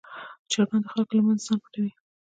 چرګان د خلکو له منځه ځان نه پټوي.